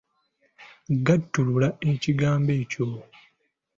Gattulula ekigambo ekyo.